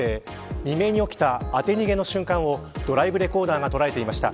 未明に起きた当て逃げの瞬間をドライブレコーダーが捉えていました。